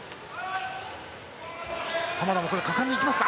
濱田も果敢に行きますか。